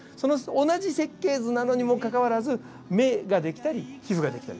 同じ設計図なのにもかかわらず目が出来たり皮膚が出来たり。